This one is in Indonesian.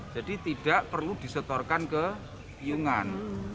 tidak perlu disetorkan ke piyungan